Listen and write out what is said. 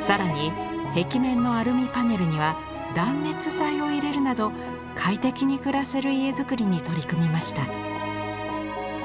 更に壁面のアルミパネルには断熱材を入れるなど快適に暮らせる家づくりに取り組みました。